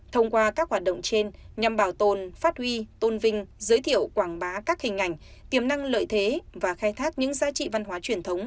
thông qua các hoạt động trên nhằm bảo tồn phát huy tôn vinh giới thiệu quảng bá các hình ảnh tiềm năng lợi thế và khai thác những giá trị văn hóa truyền thống